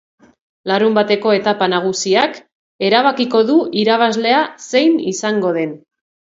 Larunbateko etapa nagusiak erabakiko du irabazlea zein izango den.